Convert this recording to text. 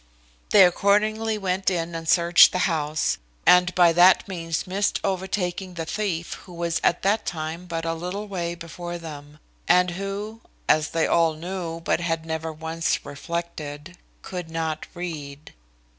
They accordingly went in and searched the house, and by that means missed overtaking the thief, who was at that time but a little way before them; and who, as they all knew, but had never once reflected, could not read.